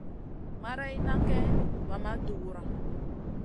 Marayna kayn va ma dura.